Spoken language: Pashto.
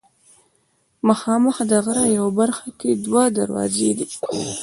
مخامخ د غره یوه برخه کې دوه دروازې دي.